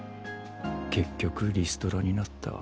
結局リストラになった。